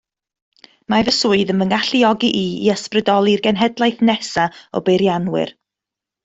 Mae fy swydd yn fy ngalluogi i ysbrydoli'r genhedlaeth nesaf o beirianwyr